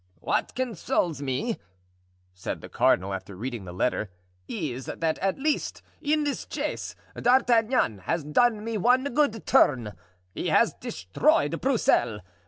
"What consoles me," said the cardinal after reading the letter, "is that, at least, in this chase, D'Artagnan has done me one good turn—he has destroyed Broussel.